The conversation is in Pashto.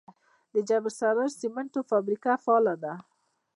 د جبل السراج سمنټو فابریکه فعاله ده؟